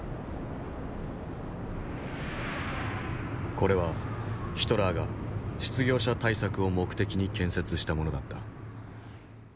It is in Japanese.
これはヒトラーが失業者対策を目的に建設したものだった。